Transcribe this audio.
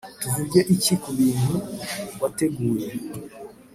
tuvuge iki ku bintu wateguye,